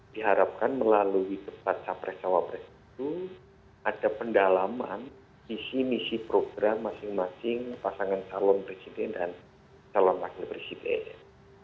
diharapkan melalui debat capres cawapres itu ada pendalaman visi misi program masing masing pasangan calon presiden dan calon wakil presiden